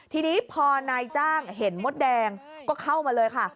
ทีนี้พอนายจ้างเห็นมดแดงก็เข้ามาเลยค่ะ